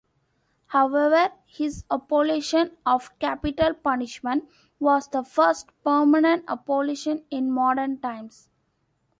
However, his abolition of capital punishment was the first permanent abolition in modern times.